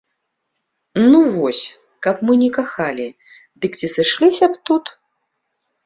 Ну вось, каб мы не кахалі, дык ці сышліся б тут?